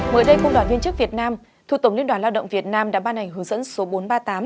mới đây công đoàn viên chức việt nam thuộc tổng liên đoàn lao động việt nam đã ban hành hướng dẫn số bốn trăm ba mươi tám